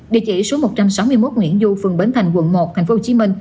địa chỉ số một trăm sáu mươi một nguyễn du phường bến thành quận một tp hcm